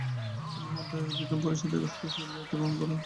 তিনি মাদ্রাজ বিধান পরিষদের সদস্য হিসেবে দায়িত্বগ্রহণ করেন।